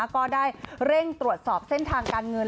ก็ได้เร่งตรวจสอบเส้นทางการเงิน